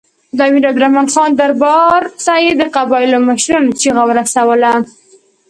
د امیر عبدالرحمن خان دربار ته یې د قبایلو د مشرانو چیغه ورسوله.